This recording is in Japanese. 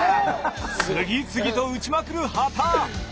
次々と打ちまくる畑！